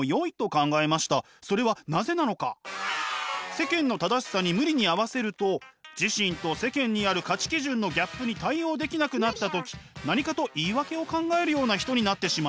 世間の正しさに無理に合わせると自身と世間にある価値基準のギャップに対応できなくなった時何かと言い訳を考えるような人になってしまいます。